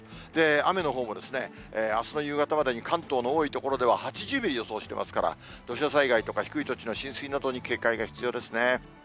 雨のほうもですね、あすの夕方までに関東の多い所では、８０ミリを予想してますから、土砂災害とか低い土地の浸水などに、警戒が必要ですね。